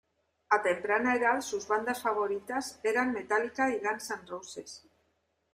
A temprana edad sus bandas favoritas eran Metallica y Guns N' Roses.